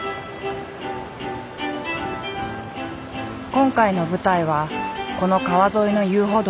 今回の舞台はこの川沿いの遊歩道。